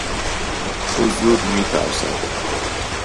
او زود میترسد.